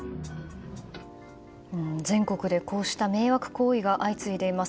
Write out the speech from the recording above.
全国でこうした迷惑行為が相次いでいます。